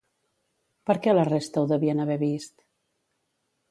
Per què la resta ho devien haver vist?